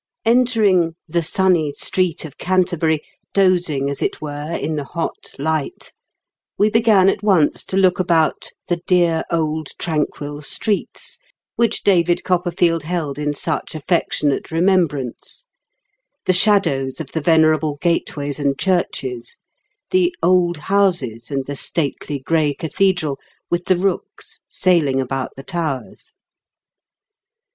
Entering "the sunny street of Canterbury, dozing, as it were, in the hot light," we began at once to look about " the dear old tranquil streets," which David Copperfield held in such affectionate remembrance, "the shadows of the venerable gateways and churches," the "old houses, and the stately gray cathedral, with the rooks sailing about the towers."